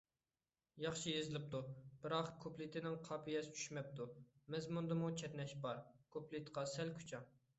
ياخشى يېزىلىپتۇ، بىراق كۇپلېتىنىڭ قاپىيەسى چۈشمەپتۇ. مەزمۇندىمۇ چەتنەش بار، كۇپلېتقا سەل كۈچەڭ.